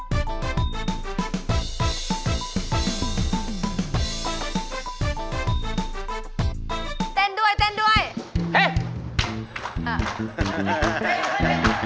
เฮ้เฮ้เปิด๒ไม่ใช่